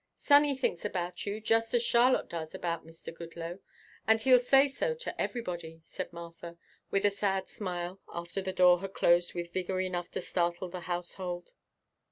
"Sonny thinks about you just as Charlotte does about Mr. Goodloe, and he'll say so to everybody," said Martha, with a sad smile after the door had closed with vigor enough to startle the household.